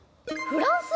フランス？